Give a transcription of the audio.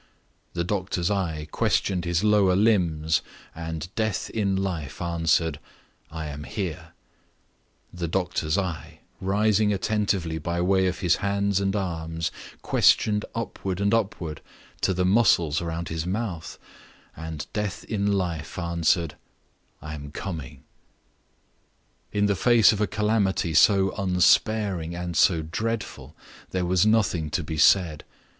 The doctor's eye questioned his lower limbs, and Death in Life answered, I am here. The doctor's eye, rising attentively by way of his hands and arms, questioned upward and upward to the muscles round his mouth, and Death in Life answered, I am coming. In the face of a calamity so unsparing and so dreadful, there was nothing to be said.